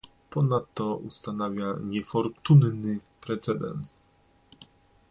Ponadto ustanawia niefortunny precedens